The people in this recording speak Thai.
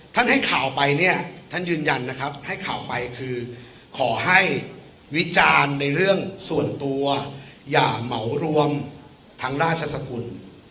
ให้ข่าวไปเนี่ยท่านยืนยันนะครับให้ข่าวไปคือขอให้วิจารณ์ในเรื่องส่วนตัวอย่าเหมารวมทางราชสกุล